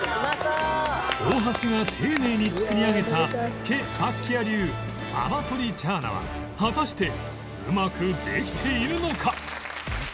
大橋が丁寧に作り上げたケパッキア流アマトリチャーナは果たしてうまくできているのか？